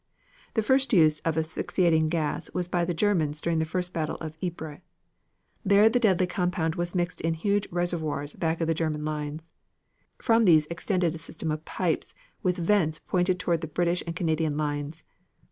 The first use of asphyxiating gas was by the Germans during the first battle of Ypres. There the deadly compound was mixed in huge reservoirs back of the German lines. From these extended a system of pipes with vents pointed toward the British and Canadian lines.